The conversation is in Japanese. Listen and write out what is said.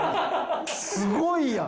すごいやん。